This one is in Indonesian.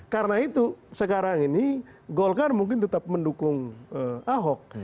karena itu sekarang ini golkar mungkin tetap mendukung ahok